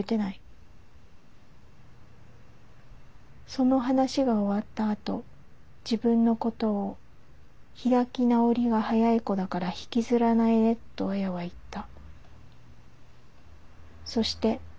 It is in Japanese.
「その話が終わったあと自分のことを『開き直りが早い子だから引きずらないね』と亜矢はいった」。